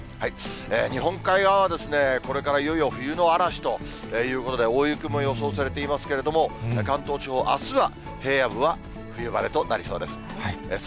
日本海側はこれからいよいよ冬の嵐ということで、大雪も予想されていますけれども、関東地方、あすは平野部は冬晴れとなりそうです。